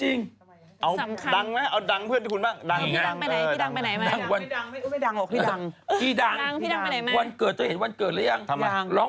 ร้องเพลงเล่นคอนเสร็จฉันเปิดก่อน